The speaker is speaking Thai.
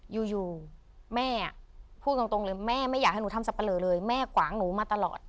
อยู่แม่พูดตรงเลยแม่ไม่อยากให้หนูทำสับปะเลอเลยแม่กวางหนูมาตลอด